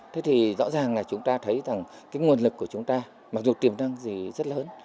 thế thì rõ ràng là chúng ta thấy rằng cái nguồn lực của chúng ta mặc dù tiềm năng gì rất lớn